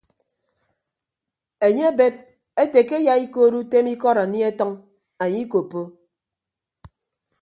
Enye ebed ete ke eyaikood utem ikọd anie atʌñ anye ikoppo.